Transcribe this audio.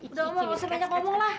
udah mama nggak usah banyak ngomong lah